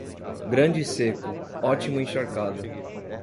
Grande seco, ótimo encharcado.